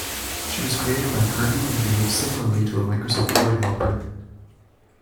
She was created by Kerbie and behaves similarly to a Microsoft Word Helper.